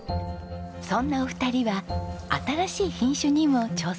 そんなお二人は新しい品種にも挑戦しています。